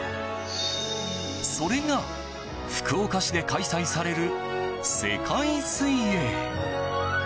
それが福岡市で開催される世界水泳。